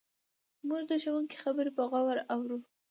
موږ د ښوونکي خبرې په غور اورو.